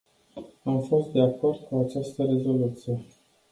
Am fost de acord cu această rezoluție.